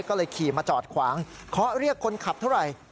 ก็เลยขี่มาจอดขวางเคาะเรียกคนขับเท่าไหร่